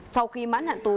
sau khi mãn hạn tù